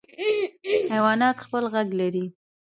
حیوانات خپل غږ لري.